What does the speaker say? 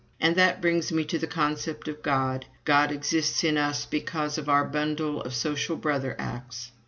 And that brings me to my concept of a God. God exists in us because of our bundle of social brother acts.